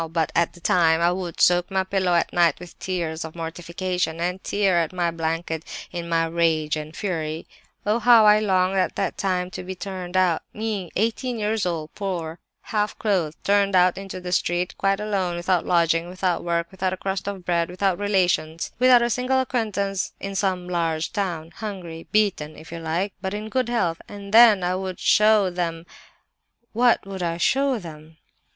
_ But at that time I would soak my pillow at night with tears of mortification, and tear at my blanket in my rage and fury. Oh, how I longed at that time to be turned out—me, eighteen years old, poor, half clothed, turned out into the street, quite alone, without lodging, without work, without a crust of bread, without relations, without a single acquaintance, in some large town—hungry, beaten (if you like), but in good health—and then I would show them— "What would I show them?